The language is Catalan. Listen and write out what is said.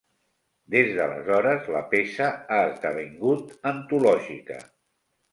Des d'aleshores la peça ha esdevingut antològica.